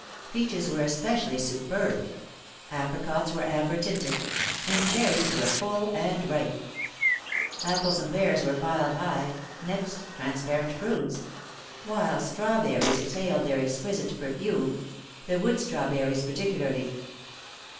Peaches were especially superb; apricots were amber tinted; and cherries were full and ripe. Apples and pears were piled high, next trans parent prunes ; while strawberries exhaled their exquisite perfume — the wood strawberries particularly.